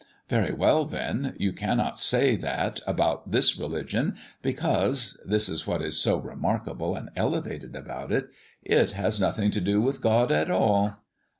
Very well, then, you cannot say that about this religion, because this is what is so remarkable and elevated about it it has nothing to do with God at all."